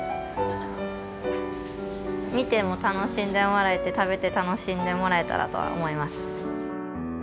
見ても楽しんでもらえて食べて楽しんでもらえたらとは思います。